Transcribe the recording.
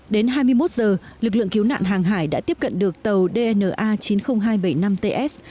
đến hai mươi một giờ lực lượng cứu nạn hàng hải đã tiếp cận được tàu dna chín mươi nghìn hai trăm bảy mươi năm ts